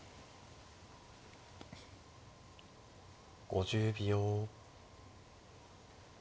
５０秒。